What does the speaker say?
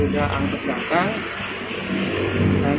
dia sudah angkat belakang